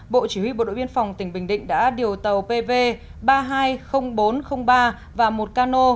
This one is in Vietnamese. bộ chỉ huy bộ đội biên phòng tỉnh bình định đã điều tàu pv ba nghìn hai mươi nghìn bốn trăm linh ba và một cano